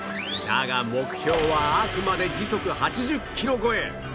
だが目標はあくまで時速８０キロ超え